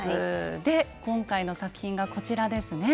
で今回の作品がこちらですね。